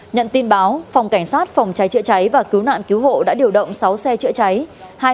nhận tin báo phòng cảnh sát phòng cháy chữa cháy và cứu nạn cứu hộ đã điều động sáu xe chữa cháy